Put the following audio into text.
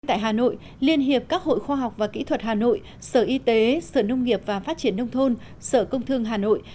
tại hà nội liên hiệp các hội khoa học và kỹ thuật hà nội sở y tế sở nông nghiệp và phát triển nông thôn sở công thương hà nội